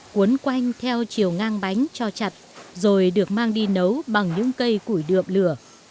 cuốn quanh theo chiều ngang bánh cho chặt rồi được mang đi nấu bằng những cây củi đượm lửa